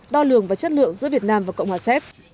đo lường và chất lượng giữa việt nam và cộng hòa séc